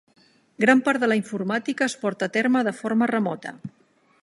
Gran part de la informàtica es porta a terme de forma remota.